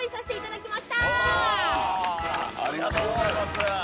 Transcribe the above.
ありがとうございます。